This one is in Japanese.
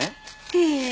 ええ。